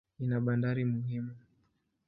Ina bandari muhimu.